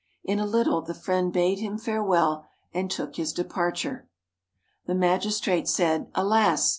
In a little the friend bade him farewell and took his departure. The magistrate said, "Alas!